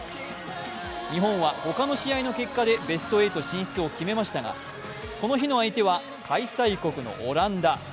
日本は他の試合の結果でベスト８進出を決めましたがこの日の相手は開催国のオランダ。